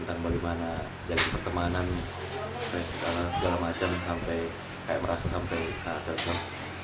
entar bagaimana jadi pertemanan pertemanan segala macam sampai kayak merasa sampai sangat cocok